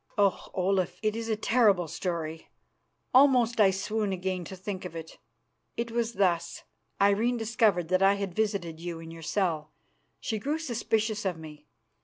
"Oh! Olaf, it is a terrible story. Almost I swoon again to think of it. It was thus: Irene discovered that I had visited you in your cell; she grew suspicious of me.